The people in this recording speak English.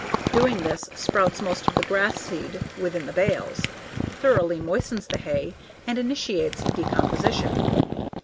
Doing this sprouts most of the grass seed within the bales, thoroughly moistens the hay, and initiates decomposition.